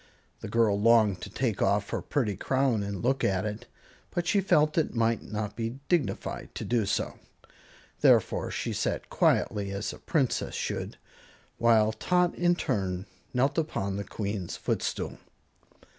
The girl longed to take off her pretty crown and look at it, but she felt it might not be dignified to do so; therefore she sat quietly, as a princess should, while Tot in turn knelt upon the Queen's footstool.